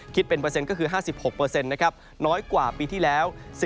คิดเป็นเปอร์เซ็นต์ก็คือ๕๖นะครับน้อยกว่าปีที่แล้ว